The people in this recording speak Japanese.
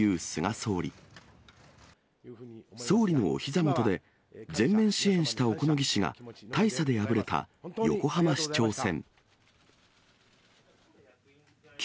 総理のおひざ元で、全面支援した小此木氏が大差で敗れた横浜市長選。